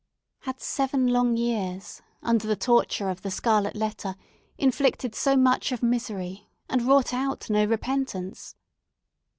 Had seven long years, under the torture of the scarlet letter, inflicted so much of misery and wrought out no repentance?